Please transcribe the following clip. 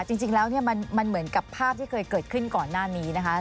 จริงแล้วมันเหมือนกับภาพที่เคยเกิดขึ้นก่อนหน้านี้นะคะ